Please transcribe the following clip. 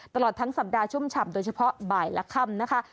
ตลอดทั้งสัปดาห์ชุ่มฉ่ำโดยเฉพาะบ่ายและค่ำนะคะ